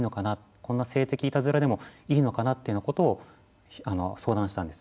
こんな性的いたずらでもいいのかなということを相談したんです。